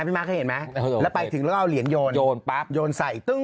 พี่มาร์คเข้าใจเห็นไหมแล้วไปถึงแล้วก็เอาเหรียญโยนโยนใส่ตึง